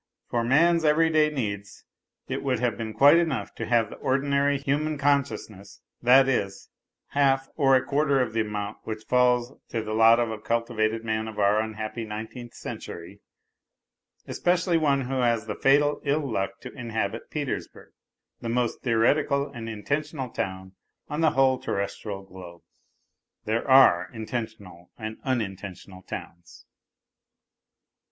For man's everyday needs, it would have been quite enough to have the ordinary human consciousness, that is, half or a quarter of the amount which falls to the lot of a cultivated man of our unhappy nineteenth century, especially one who has the fatal ill luck to inhabit Petersburg, the most theoretical and intentional town on the whole terrestial globe. (There are intentional and unintentional towns.)